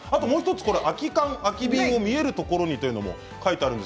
空き缶、空き瓶を見えるところにというのも書いてあります。